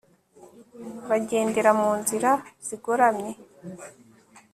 Bagendera mu nzira zigoramye